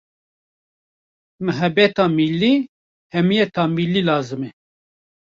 mihebeta millî, hemiyeta millî lazim e.